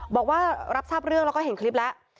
บอกว่ารับทราบเรื่องแล้วก็เห็นคลิปแล้ว